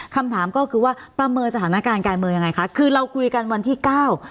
คำถามก็คือว่าประเมินสถานการณ์การเมืองยังไงคะคือเราคุยกันวันที่เก้า